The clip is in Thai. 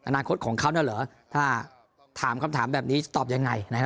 อนาคตของเขาเนี่ยเหรอถ้าถามคำถามแบบนี้จะตอบยังไงนะฮะ